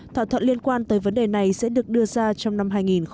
thảo thuận liên quan tới vấn đề này sẽ được đưa ra trong năm hai nghìn một mươi bảy